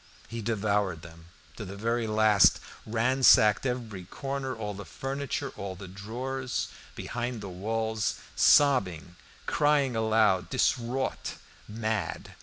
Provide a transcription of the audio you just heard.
He devoured them to the very last, ransacked every corner, all the furniture, all the drawers, behind the walls, sobbing, crying aloud, distraught, mad.